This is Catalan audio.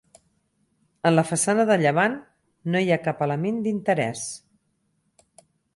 En la façana de llevant no hi ha cap element d'interès.